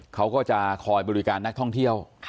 เขาก็จะคอยบริการนักท่องเที่ยว